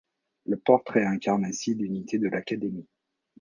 Le portrait incarne ainsi l'unité de l'académie.